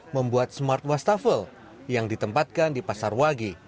membuat smart wastafel yang ditempatkan di pasar wagi